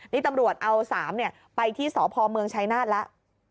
นี่ตำรวจเอา๓ไปที่สพเมืองชายนาฏแล้ว